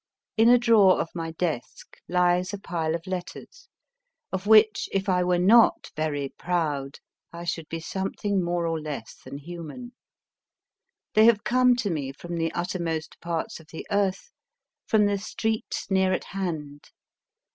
In a drawer of my desk lies a pile of letters, of which if I were not very proud I should be something more or less than human. They have come to me from the uttermost parts of the earth, from the streets near at hand.